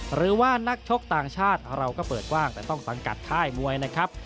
หรือว่านักชกต่างชาติเราก็เปิดกว้างแต่ต้องสังกัดค่ายมวยนะครับ